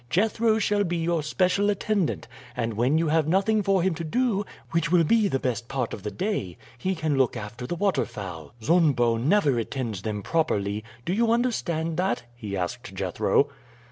Jethro shall be your special attendant, and when you have nothing for him to do, which will be the best part of the day, he can look after the waterfowl. Zunbo never attends them properly. Do you understand that?" he asked Jethro.